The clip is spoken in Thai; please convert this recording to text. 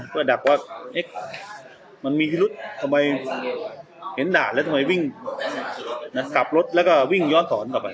เพื่อดักว่ามันมีพิรุษทำไมเห็นด่านแล้วทำไมวิ่งกลับรถแล้วก็วิ่งย้อนสอนกลับไป